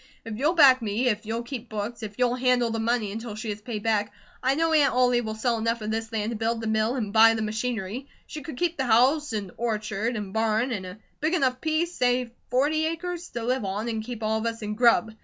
If you'll back me, if you'll keep books, if you'll handle the money until she is paid back, I know Aunt Ollie will sell enough of this land to build the mill and buy the machinery. She could keep the house, and orchard, and barn, and a big enough piece, say forty acres, to live on and keep all of us in grub.